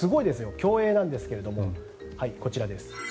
競泳なんですがこちらです。